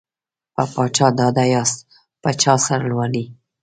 په چا ډاډه یاست په چا سرلوړي